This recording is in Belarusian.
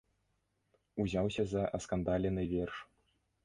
Узяўся за аскандалены верш.